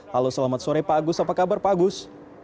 halo selamat sore pak agus apa kabar pak agus